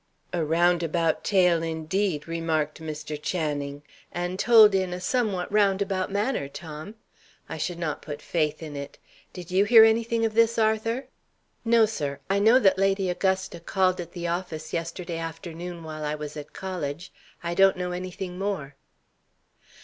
"A roundabout tale, indeed!" remarked Mr. Channing; "and told in a somewhat roundabout manner, Tom. I should not put faith in it. Did you hear anything of this, Arthur?" "No, sir. I know that Lady Augusta called at the office yesterday afternoon while I was at college. I don't know anything more."